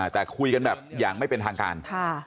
แต่คุยกันแบบอย่างไม่เป็นทางการ